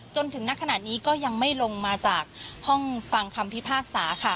จนถึงนักขณะนี้ก็ยังไม่ลงมาจากห้องฟังคำพิพากษาค่ะ